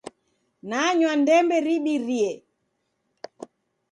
Nanywa ndembe ribirie